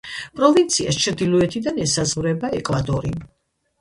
პროვინციას ჩრდილოეთიდან ესაზღვრება ეკვადორი.